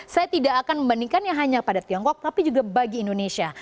saya tidak akan membandingkannya hanya pada tiongkok tapi juga bagi indonesia